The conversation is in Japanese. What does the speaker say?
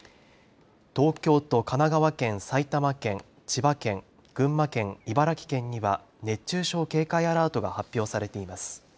東京都、神奈川県、埼玉県、千葉県、群馬県、茨城県には熱中症警戒アラートが発表されています。